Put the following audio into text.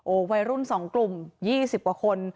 โอ้ววัยรุ่นสองกลุ่มยี่สิบกว่าคน